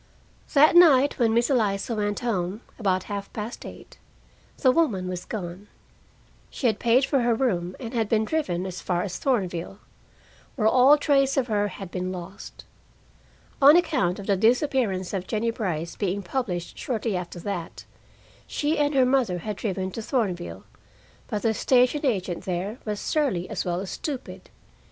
That night when Miss Eliza went home, about half past eight, the woman was gone. She had paid for her room and had been driven as far as Thornville, where all trace of her had been lost. On account of the disappearance of Jennie Brice being published shortly after that, she and her mother had driven to Thornville, but the station agent there was surly as well as stupid.